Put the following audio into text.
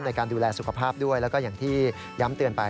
ในการดูแลสุขภาพด้วยแล้วก็อย่างที่ย้ำเตือนไป